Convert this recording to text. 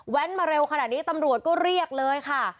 มาเร็วขนาดนี้ตำรวจก็เรียกเลยค่ะ